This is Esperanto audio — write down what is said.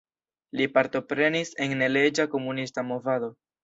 Li partoprenis en neleĝa komunista movado.